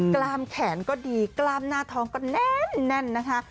กล้ามแขนก็ดีกล้ามหน้าท้องก็แน่นนะคะ